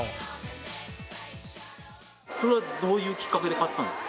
それはどういうきっかけで買ったんですか？